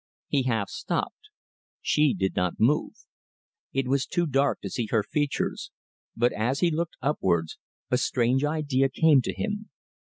He half stopped. She did not move. It was too dark to see her features, but as he looked upwards a strange idea came to him.